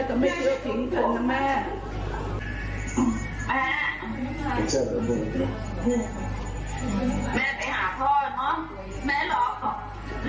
แล้วเดี๋ยวไงเราก็ไปเจอเป็นชาติหน้าอย่างไร